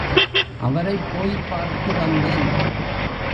அவரைப் போய்ப் பார்த்து வந்தேன்.